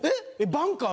バンカー